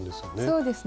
そうですね。